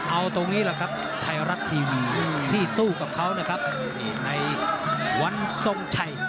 เอาตรงนี้แหละครับไทยรัฐทีวีที่สู้กับเขานะครับในวันทรงชัย